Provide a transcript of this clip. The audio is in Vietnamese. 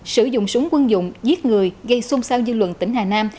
sử dụng súng quân dụng giết người gây xung sao dư luận tỉnh hà nam